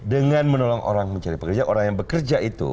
dengan menolong orang mencari pekerjaan orang yang bekerja itu